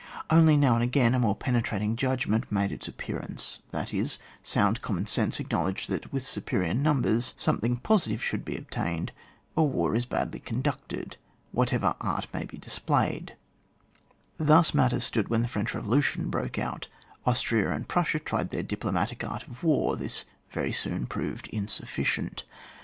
Only now and again a more penetrating judgment made its appearance, that is, sound common sense acknowledged that with superior niimbers something positive should be attained or war is badly conducted, what ever art may be displayed* Thus matters stood when the French Bevolution broke out; Austria and Prussia tried their diplomatic art of war ; this very soon proved insufficient.